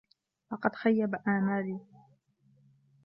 لقد خيّب آمالي.